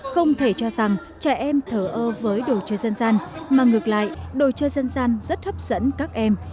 không thể cho rằng trẻ em thở ơ với đồ chơi dân gian mà ngược lại đồ chơi dân gian rất hấp dẫn các em